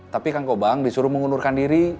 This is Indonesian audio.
tapi kang kobang disuruh mengundurkan diri